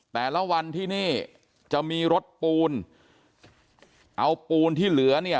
แต่ละวันที่นี่จะมีรถปูนเอาปูนที่เหลือเนี่ย